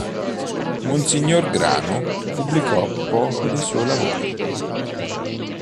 Monsignor Grano pubblicò poco dei suoi lavori.